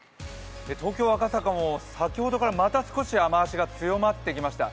東京・赤坂も先ほどからまた雨脚が強まってきました。